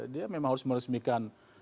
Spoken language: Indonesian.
dia memang harus meresmikan